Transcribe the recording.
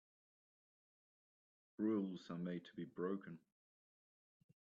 Rules are made to be broken.